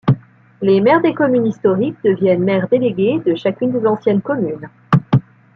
Les maires des communes historiques deviennent maires délégués de chacune des anciennes communes.